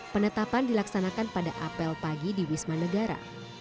penetapan dilaksanakan pada apel pagi di wisma negara